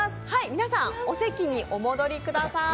皆さん、お席にお戻りください。